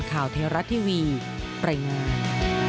ข่าวเทราะทีวีปริงาน